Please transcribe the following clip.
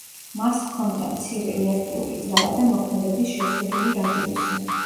მას ჰქონდა მცირე რეაქტიული ძრავა და მოქმედების შეზღუდული რადიუსი.